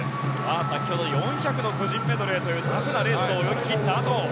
先ほど４００ｍの個人メドレーというタフなレースを泳ぎ切ったあと。